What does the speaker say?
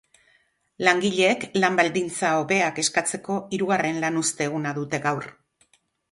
Langileek lan-baldintzak hobetzea eskatzeko hirugarren lanuzte eguna dute gaur.